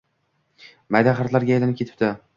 mayda harflarga aylanib ketibdi.